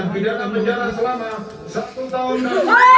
melakukan tindak pidana